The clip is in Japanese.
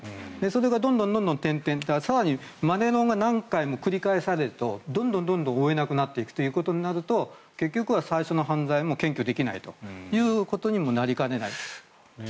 それがどんどん転々と更にマネロンが何回も繰り返されるとどんどん追えなくなっていくということになると結局は最初の犯罪は検挙できないということにもなりかねない。